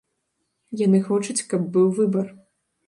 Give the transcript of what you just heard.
Яны хочуць, каб быў выбар.